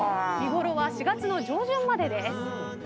見頃は４月の上旬までです。